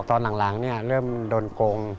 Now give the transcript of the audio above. ตอนหลังเริ่มโดนโกง